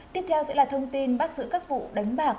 tiếp theo sẽ là thông tin bắt giữ các vụ đánh bạc